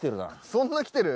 そんなきてる？